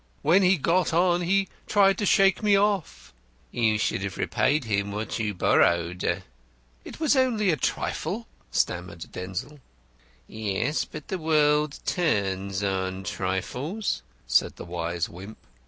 When he got on he tried to shake me off." "You should have repaid him what you borrowed." "It it was only a trifle," stammered Denzil. "Yes, but the world turns on trifles," said the wise Wimp.